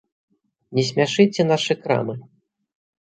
Не смяшыце нашы крамы.